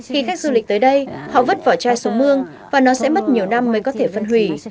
khi khách du lịch tới đây họ vứt vỏ chai xuống mương và nó sẽ mất nhiều năm mới có thể phân hủy